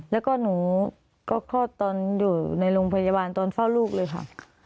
แล้วก็หนูก็คลอดตอนอยู่ในโรงพยาบาลตอนเฝ้าลูกเลยค่ะ